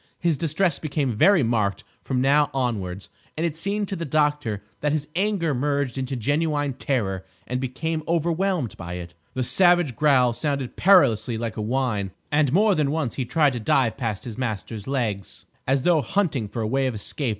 His distress became very marked from now onwards, and it seemed to the doctor that his anger merged into genuine terror and became overwhelmed by it. The savage growl sounded perilously like a whine, and more than once he tried to dive past his master's legs, as though hunting for a way of escape.